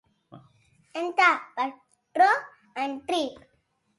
E damb aquerò, partic.